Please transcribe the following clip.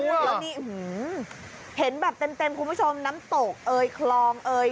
แล้วนี่เห็นแบบเต็มคุณผู้ชมน้ำตกเอ่ยคลองเอ่ย